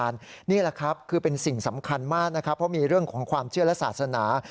นี่แหละครับคือเป็นสิ่งสำคัญมากนะครับเพราะมีเรื่องของความเชื่อและศาสนา